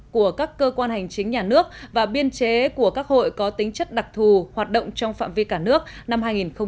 của các cơ quan hành chính nhà nước và biên chế của các hội có tính chất đặc thù hoạt động trong phạm vi cả nước năm hai nghìn một mươi chín